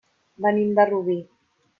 Venim de Rubí.